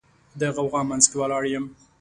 د غوغا منځ کې ولاړ یم